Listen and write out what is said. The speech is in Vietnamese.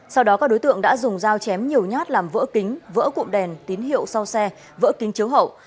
sau đó các đối tượng đã dùng dao chém nhiều nhát làm vỡ kính vỡ cụm đèn tín hiệu sau xe vỡ kính chiếu hậu